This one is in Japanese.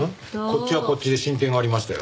こっちはこっちで進展がありましたよ。